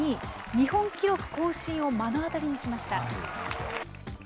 日本記録更新を目の当たりにしました。